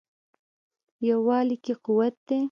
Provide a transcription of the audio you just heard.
یووالي کې قوت دی.